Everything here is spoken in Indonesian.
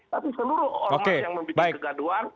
tapi seluruh ormas yang membuat kegaduhan